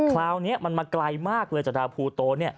คราวนี้มันมาไกลมากเลยจากดาวภูโต